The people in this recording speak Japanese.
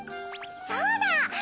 そうだ！